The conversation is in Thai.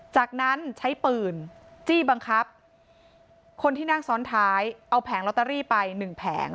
จากนั้นใช้ปืนจี้บังคับคนที่นั่งซ้อนท้ายเอาแผงลอตเตอรี่ไปหนึ่งแผง